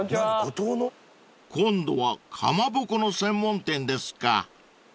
［今度はかまぼこの専門店ですか］